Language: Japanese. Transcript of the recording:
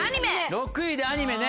６位でアニメね。